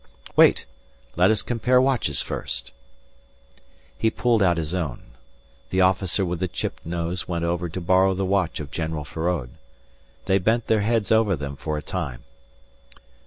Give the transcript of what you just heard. "Wait! Let us compare watches first." He pulled out his own. The officer with the chipped nose went over to borrow the watch of General Feraud. They bent their heads over them for a time.